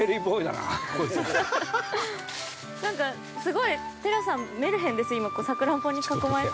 ◆なんか、すごい寺さん、メルヘンです、今、サクランボに囲まれて。